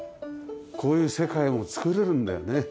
こういう世界も作れるんだよね。